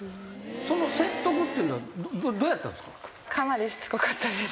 その説得っていうのはどうやったんですか？